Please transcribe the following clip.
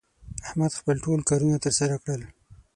احمد خپل ټول کارونه تر سره کړل